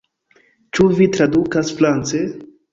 Ĉu vi tradukas france?